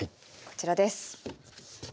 こちらです。